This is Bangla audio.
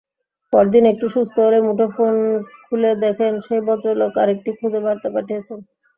পরদিন একটু সুস্থ হলে মুঠোফোন খুলে দেখেন সেই ভদ্রলোক আরেকটি খুদে বার্তা পাঠিয়েছেন।